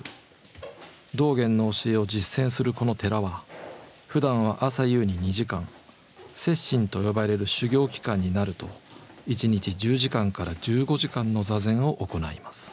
道元の教えを実践するこの寺はふだんは朝夕に２時間「接心」と呼ばれる修行期間になると一日１０時間から１５時間の坐禅を行います。